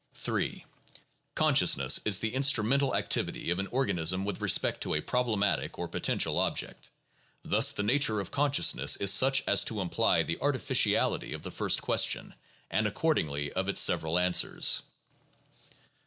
(22, 23, 24.) 3. Consciousness is the instrumental activity of an organism with respect to a problematic or potential object. Thus the nature of con sciousness is such as to imply the artificiality of the first question, and accordingly of its several answers.